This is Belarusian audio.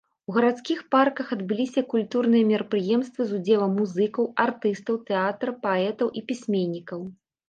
У гарадскіх парках адбыліся культурныя мерапрыемствы з удзелам музыкаў, артыстаў тэатраў, паэтаў і пісьменнікаў.